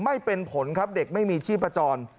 ไม่เป็นผลครับเด็กไม่มีชีพจร